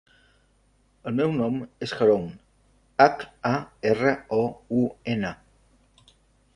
El meu nom és Haroun: hac, a, erra, o, u, ena.